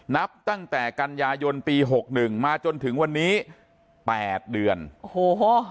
นับตั้งแต่กันยายนปีหกหนึ่งมาจนถึงวันนี้แปดเดือนโอ้โห